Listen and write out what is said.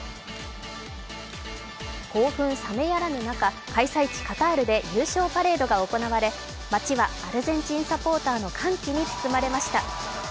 興奮冷めやらぬ中、開催地カタールで優勝パレードが行われ街はアルゼンチンサポーターの歓喜に包まれました。